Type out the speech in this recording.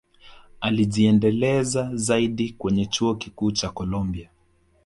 alijiendeleza zaidi kwenye chuo Kikuu cha colombia